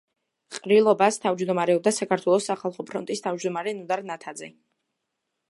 ყრილობას თავმჯდომარეობდა საქართველოს სახალხო ფრონტის თავმჯდომარე ნოდარ ნათაძე.